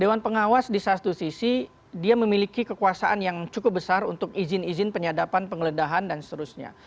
dewan pengawas di satu sisi dia memiliki kekuasaan yang cukup besar untuk izin izin penyadapan penggeledahan dan seterusnya